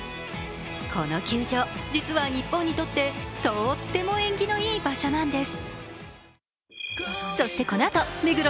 この球場、実は日本にとって、とっても縁起のいい場所なんです。